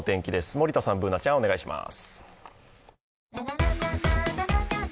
森田さん、Ｂｏｏｎａちゃん、お願いします。